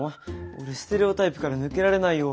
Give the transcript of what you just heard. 俺ステレオタイプから抜けられないよ。